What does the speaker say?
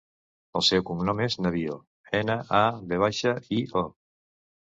El seu cognom és Navio: ena, a, ve baixa, i, o.